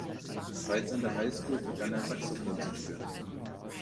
Bereits an der Highschool begann er Saxophon zu spielen.